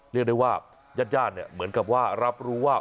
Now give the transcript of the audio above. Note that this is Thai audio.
เรียกได้ว่าญาติญาติเนี่ยเหมือนกับว่ารับรู้ว่า